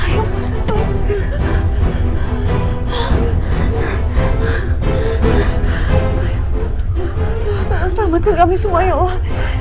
ya allah selamatkan kami semua ya allah